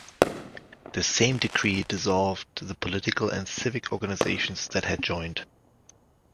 The same Decree dissolved the political and civic organizations that had joined.